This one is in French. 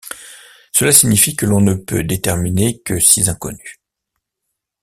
Cela signifie que l'on ne peut déterminer que six inconnues.